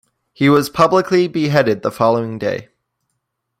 He was publicly beheaded the following day.